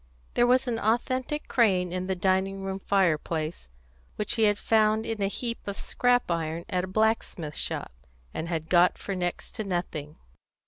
There was an authentic crane in the dining room fireplace, which he had found in a heap of scrap iron at a blacksmith's shop, and had got for next to nothing.